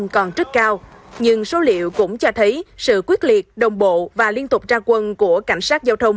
còn rất cao nhưng số liệu cũng cho thấy sự quyết liệt đồng bộ và liên tục tra quân của cảnh sát giao thông